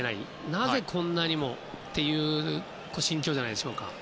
なぜこんなにもという心境じゃないでしょうか。